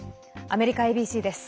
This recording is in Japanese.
アメリカＡＢＣです。